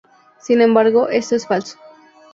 Sin embargo, esto es falso.